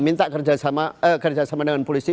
minta kerjasama dengan polisi